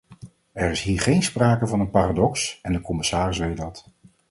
Er is hier geen sprake van een paradox en de commissaris weet dat.